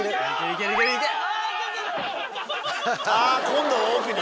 あ今度は奥に。